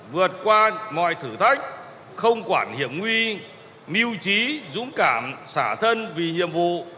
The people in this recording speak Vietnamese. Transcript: vượt qua mọi thử thách không quản hiểm nguy trí dũng cảm xả thân vì nhiệm vụ